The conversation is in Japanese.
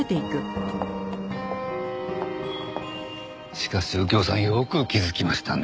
しかし右京さんよく気づきましたね。